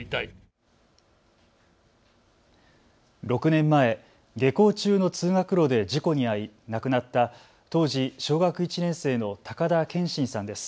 ６年前、下校中の通学路で事故に遭い亡くなった当時小学１年生の高田謙真さんです。